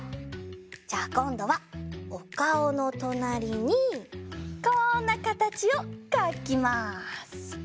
じゃあこんどはおかおのとなりにこんなかたちをかきます。